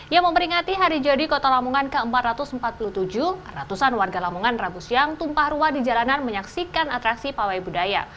yang memperingati hari jadi kota lamongan ke empat ratus empat puluh tujuh ratusan warga lamongan rabu siang tumpah ruah di jalanan menyaksikan atraksi pawai budaya